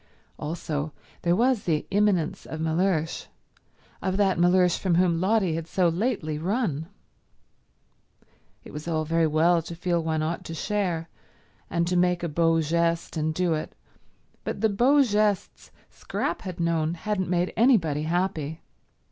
Also, there was the imminence of Mellersh, of that Mellersh from whom Lotty had so lately run. It was all very well to feel one ought to share, and to make a beau geste and do it, but the beaux gestes Scrap had known hadn't made anybody happy.